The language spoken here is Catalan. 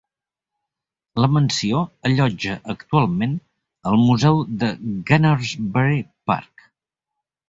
La mansió allotja actualment el museu de Gunnersbury Park.